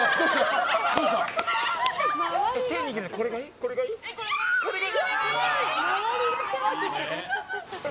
これがいい！